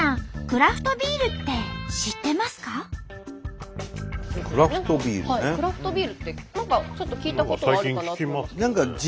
クラフトビールって何かちょっと聞いたことはあるかなと。